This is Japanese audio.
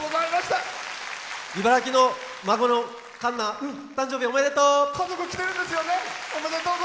茨城の孫の、かんな誕生日おめでとう！